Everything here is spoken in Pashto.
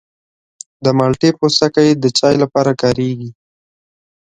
د مالټې پوستکی د چای لپاره کارېږي.